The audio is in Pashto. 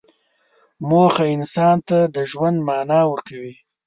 موخه انسان ته د ژوند معنی ورکوي.